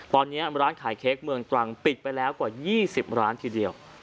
ตอนนี้ร้านขายเค้กเมืองตรังปิดไปแล้วกว่า๒๐ร้านทีเดียว